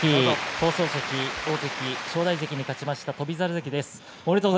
大関正代関に勝ちました翔猿関です。